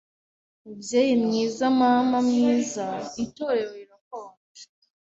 Mubyeyi mwiza mama mwiza itorero rirakonje